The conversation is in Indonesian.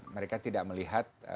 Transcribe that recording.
mereka tidak melihat